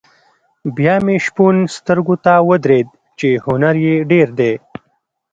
بیا مې شپون سترګو ته ودرېد چې هنر یې ډېر دی.